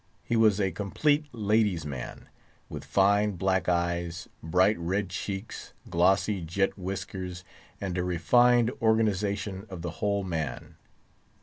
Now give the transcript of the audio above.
He was a complete lady's man; with fine black eyes, bright red cheeks, glossy jet whiskers, and a refined organisation of the whole man.